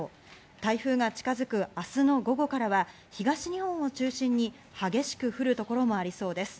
台風が近づく明日の午後からは、東日本を中心に激しく降る所もありそうです。